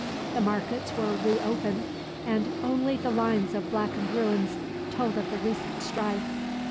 The markets were re opened, and only the lines of blackened ruins told of the recent strife.